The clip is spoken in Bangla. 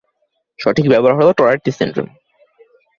সঠিক ব্যবহার হলো টোরেটি সিন্ড্রোম।